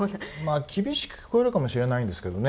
厳しく聞こえるかもしれないんですけどね。